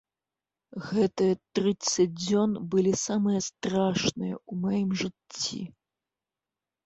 Гэтыя трыццаць дзён былі самыя страшныя ў маім жыцці.